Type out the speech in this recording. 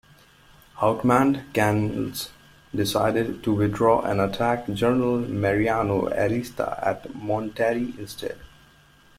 Outmanned, Canales decided to withdraw and attack General Mariano Arista at Monterrey instead.